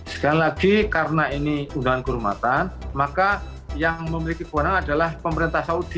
sekali lagi karena ini undangan kehormatan maka yang memiliki kewenangan adalah pemerintah saudi